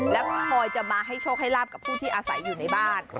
แล้วก็คอยจะมาให้โชคให้ลาบกับผู้ที่อาศัยอยู่ในบ้าน